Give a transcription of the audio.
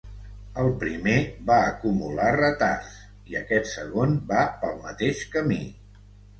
El primer va acumular retards i aquest segon va pel mateix camí.